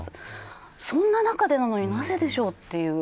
そんな中でなのになぜでしょうという。